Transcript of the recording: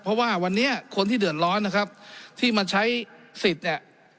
เพราะว่าวันนี้คนที่เดือดร้อนนะครับที่มาใช้สิทธิ์เนี่ย